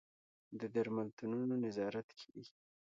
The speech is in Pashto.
د درملتونونو نظارت کیږي؟